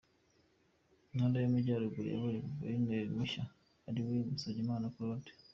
Intara y’amajyaruguru yabonye Guverineri Mushya ariwe Musabyimana Claude.